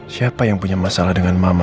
siapa yang punya masalah dengan mama